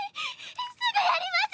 すぐやります！